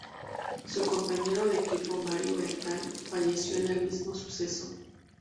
Su compañero de equipo, Mario Beltrán, falleció en el mismo suceso.